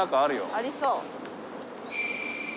ありそう。